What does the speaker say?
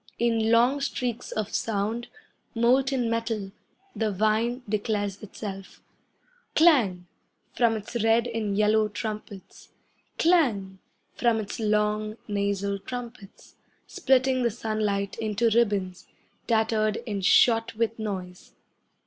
In long streaks of sound, molten metal, The vine declares itself. Clang! from its red and yellow trumpets. Clang! from its long, nasal trumpets, Splitting the sunlight into ribbons, tattered and shot with noise.